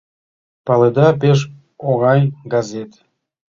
Паледа, пеш оҥай газет.